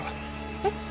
えっ？